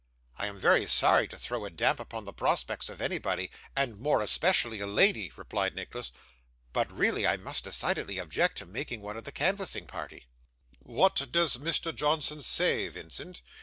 'I am very sorry to throw a damp upon the prospects of anybody, and more especially a lady,' replied Nicholas; 'but really I must decidedly object to making one of the canvassing party.' 'What does Mr. Johnson say, Vincent?